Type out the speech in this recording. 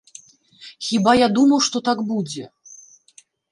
Хіба я думаў, што так будзе?